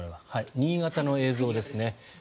新潟の映像ですね。